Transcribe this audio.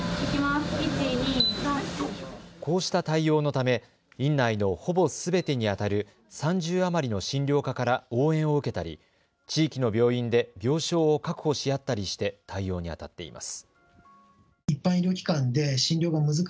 こうした対応のため院内のほぼすべてにあたる３０余りの診療科から応援を受けたり地域の病院で病床を確保し合ったりして対応にあたっています。